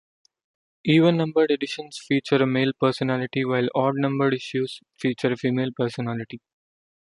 Even-numbered editions feature a male personality, while odd-numbered issues feature a female personality.